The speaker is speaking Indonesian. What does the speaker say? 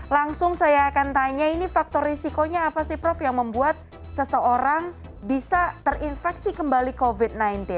langsung saya akan tanya ini faktor risikonya apa sih prof yang membuat seseorang bisa terinfeksi kembali covid sembilan belas